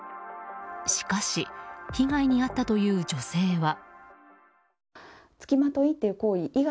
しかし、被害に遭ったという女性は。